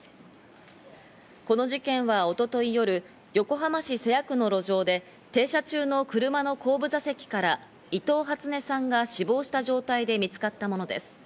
この事件は一昨日夜、横浜市瀬谷区の路上で停車中の車の後部座席から伊藤初音さんが死亡した状態で見つかったものです。